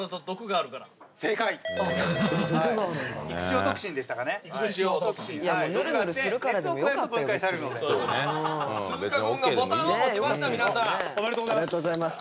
ありがとうございます。